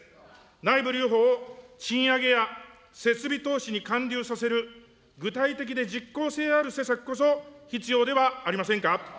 内部留保を賃上げや設備投資に還流させる、具体的で実効性ある施策こそ、必要ではありませんか。